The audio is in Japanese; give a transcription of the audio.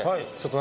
何？